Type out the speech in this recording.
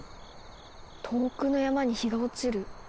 遠くの山に日が落ちる。